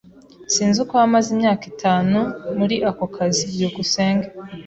Sinzi uko wamaze imyaka itanu muri ako kazi. byukusenge